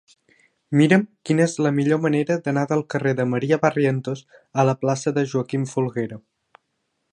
Mira'm quina és la millor manera d'anar del carrer de Maria Barrientos a la plaça de Joaquim Folguera.